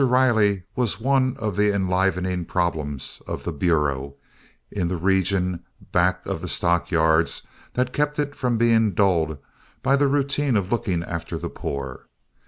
Riley was one of the enlivening problems of "the Bureau" in the region back of the stock yards that kept it from being dulled by the routine of looking after the poor.